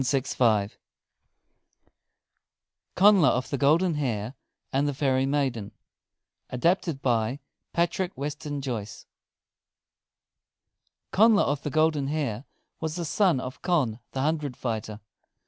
CONNLA OF THE GOLDEN HAIR AND THE FAIRY MAIDEN ADAPTED BY PATRICK WESTON JOYCE Connla of the Golden Hair was the son of Conn the Hundred fighter.